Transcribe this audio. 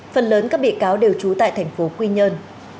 phần lớn các bị cáo đều trú tại thành phố quy nhơn